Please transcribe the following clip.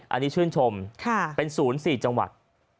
อันนี้ชื่นชมเป็นศูนย์๔จังหวัด